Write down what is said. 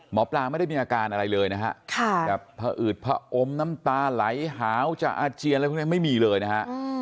หมอปลาไม่ได้มีอาการอะไรเลยนะฮะแบบผอืดผอมน้ำตาไหลหาวจะอาเจียนอะไรพวกนี้ไม่มีเลยนะฮะ